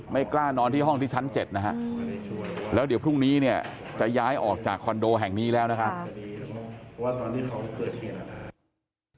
กล้านอนที่ห้องที่ชั้น๗นะฮะแล้วเดี๋ยวพรุ่งนี้เนี่ยจะย้ายออกจากคอนโดแห่งนี้แล้วนะครับ